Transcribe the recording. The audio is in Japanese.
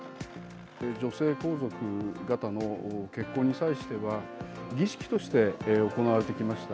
女性皇族方の結婚に際しては、儀式として行われてきました。